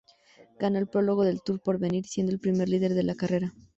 Ganó el prólogo del Tour del Porvenir, siendo el primer líder de la carrera.